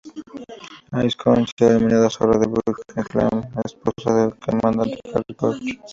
Ilse Koch, la denominada "Zorra de Buchenwald", esposa del comandante Karl Koch.